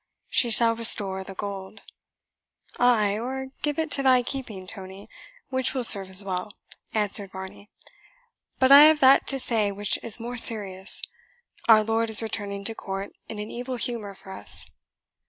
She shall restore the gold." "Ay, or give it to thy keeping, Tony, which will serve as well," answered Varney; "but I have that to say which is more serious. Our lord is returning to court in an evil humour for us."